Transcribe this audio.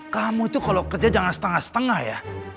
kamu itu kalau kerja jangan setengah setengah ya